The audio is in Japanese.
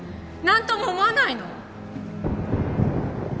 何とも思わないの！？